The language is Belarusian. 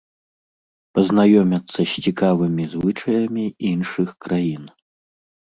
Пазнаёмяцца з цікавымі звычаямі іншых краін.